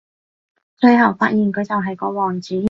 最後發現佢就係個王子